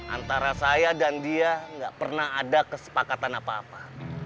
antara saya dan dia nggak pernah ada kesepakatan apa apa